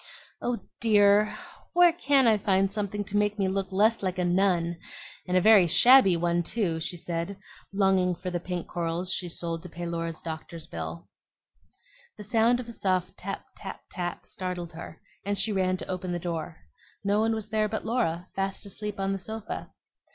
"Oh dear! where CAN I find something to make me look less like a nun, and a very shabby one, too?" she said, longing for the pink corals she sold to pay Laura's doctor's bill. The sound of a soft tap, tap, tap, startled her, and she ran to open the door. No one was there but Laura, fast asleep on the sofa.